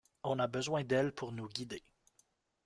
On a besoin d’elle pour nous guider.